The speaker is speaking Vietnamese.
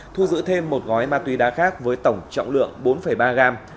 thu giữ thêm một gói ma túy đá khác với tổng trọng lượng bốn ba gram